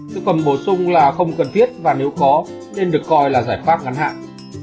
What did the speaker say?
những phần bổ sung là không cần thiết và nếu có nên được coi là giải pháp ngắn hạn